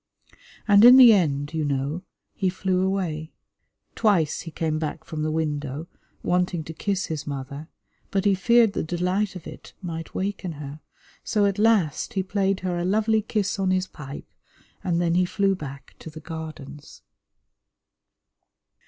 And in the end, you know, he flew away. Twice he came back from the window, wanting to kiss his mother, but he feared the delight of it might waken her, so at last he played her a lovely kiss on his pipe, and then he flew back to the Gardens.